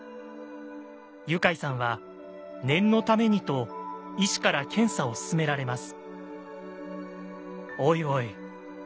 ユカイさんは念のためにと医師から検査を勧められます。